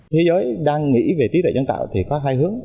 thế giới đang nghĩ về trí tuệ nhân tạo thì có hai hướng